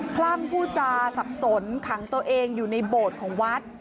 คลั่งผู้จาสับสนขังตัวเองอยู่ในโบสถ์ของวัด